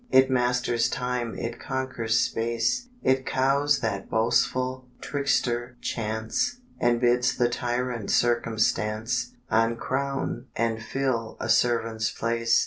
It masters time, it conquers space, It cowes that boastful trickster Chance, And bids the tyrant Circumstance Uncrown and fill a servant's place.